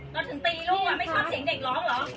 เราถึงตีลูกไม่ชอบเสียงเด็กร้องเหรอ